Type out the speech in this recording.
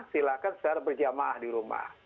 silakan secara berjamaah di rumah